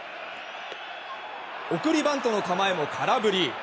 送りバントの構えも空振り。